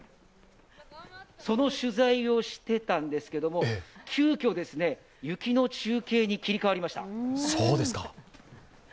その取材をしてたんですけれども、急きょ、雪の中継に切り替わりました。